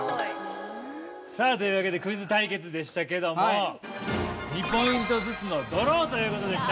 ◆さあ、というわけでクイズ対決でしたけども２ポイントずつのドローということでした。